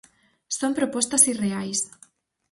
Son propostas irreais.